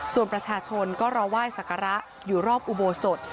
ส่วนประชาชนก็รอไหว้ศักระอยู่รอบอุโบสถ